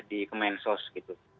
di kemensos gitu